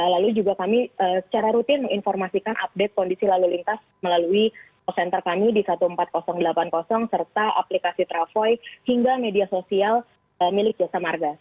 lalu juga kami secara rutin menginformasikan update kondisi lalu lintas melalui call center kami di seribu empat ratus delapan puluh serta aplikasi travoi hingga media sosial milik jasa marga